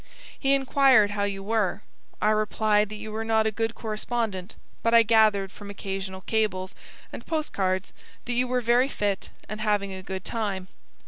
He inquired how you were. I replied that you were not a good correspondent, but I gathered from occasional cables and post cards that you were very fit and having a good time.